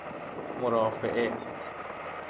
مرافعه